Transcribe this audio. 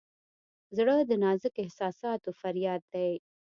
زړه د نازک احساسونو فریاد دی.